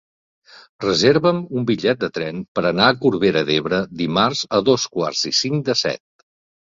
Reserva'm un bitllet de tren per anar a Corbera d'Ebre dimarts a dos quarts i cinc de set.